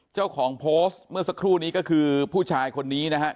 เจ้าของโพสต์เมื่อสักครู่นี้ก็คือผู้ชายคนนี้นะฮะ